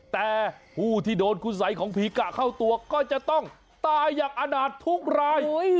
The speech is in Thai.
แต่ผู้ที่โดนคุณสัยของผีกะเข้าตัวก็จะต้องตายอย่างอาณาจทุกราย